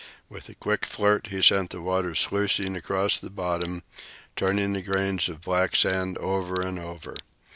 With a quick flirt he sent the water sluicing across the bottom, turning the grains of black sand over and over.